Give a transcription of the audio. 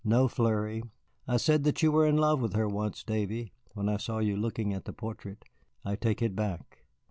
No flurry. I said that you were in love with her once, Davy, when I saw you looking at the portrait. I take it back.